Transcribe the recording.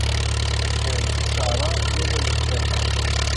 Axiṛ lexsaṛa, wala lefḍiḥa.